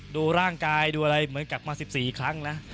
ดูร่างกายดูอะไรเหมือนกลับมา๑๔ครั้งนะ